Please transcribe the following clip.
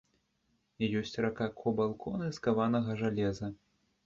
Ёсць ракако балконы з каванага жалеза.